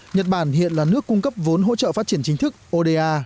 nhật bản hiện là nước cung cấp vốn hỗ trợ phát triển chính thức oda